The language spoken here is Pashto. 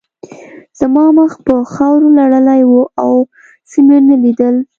زما مخ په خاورو لړلی و او څه مې نه لیدل